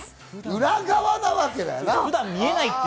裏側なわけだね。